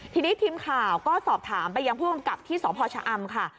ทีนี้ทีมข่าวก็สอบถามไปยังผู้กำกับที่สพชะอำค่ะ